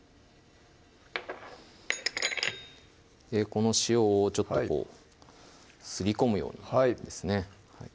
この塩をちょっとすり込むようにですね